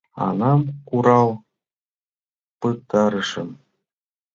Аҥам курал пытарышым.